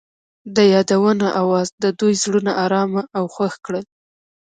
د یادونه اواز د دوی زړونه ارامه او خوښ کړل.